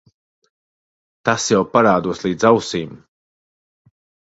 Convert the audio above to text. Tas jau parādos līdz ausīm.